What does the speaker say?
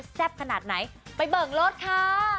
แซ่บขนาดไหนไปเบิกรถค่ะ